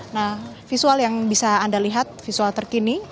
nah visual yang bisa anda lihat visual terkini